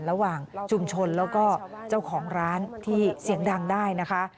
ระหว่างชุมชนแล้วก็เจ้าของร้านที่เสียงดังได้นะคะ